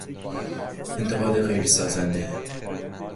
انتقاد غیرسازنده